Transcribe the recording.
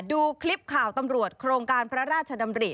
ดูคลิปข่าวตำรวจโครงการพระราชดำริ